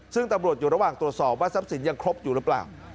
ซึ่งตำรวจอยู่ระหว่างตรวจสอบว่าทรัพย์สินยังครบอยู่หรือเปล่า